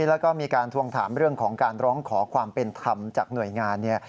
แล้วก็มีการทวงถามเรื่องของการร้องขอความเป็นธรรมจากหน่วยงานเนี่ย